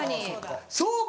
そうか。